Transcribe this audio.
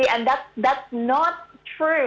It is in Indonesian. dan itu tidak benar